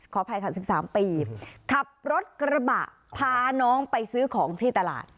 ขออภัยค่ะ๑๓ปีขับรถกระบะพาน้องไปซื้อของที่ตลาด